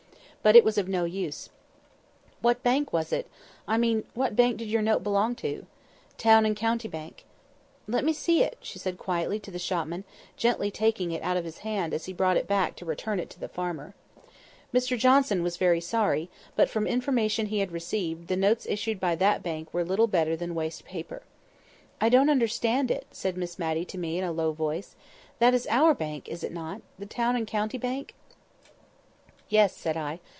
But it was of no use. "What bank was it? I mean, what bank did your note belong to?" "Town and County Bank." "Let me see it," said she quietly to the shopman, gently taking it out of his hand, as he brought it back to return it to the farmer. Mr Johnson was very sorry, but, from information he had received, the notes issued by that bank were little better than waste paper. "I don't understand it," said Miss Matty to me in a low voice. "That is our bank, is it not?—the Town and County Bank?" "Yes," said I.